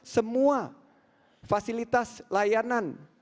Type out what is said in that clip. semua fasilitas layanan